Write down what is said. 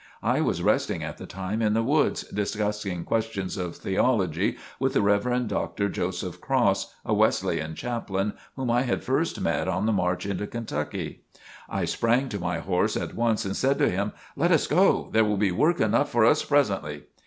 I was resting at the time in the woods, discussing questions of theology with the Rev. Dr. Joseph Cross, a Wesleyan chaplain whom I had first met on the march into Kentucky. I sprang to my horse at once and said to him: "Let us go! There will be work enough for us presently!"